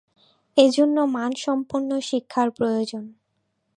এ জন্য মানসম্পন্ন শিক্ষার প্রয়োজন।